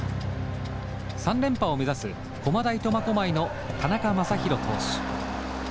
３連覇を目指す駒大苫小牧の田中将大投手。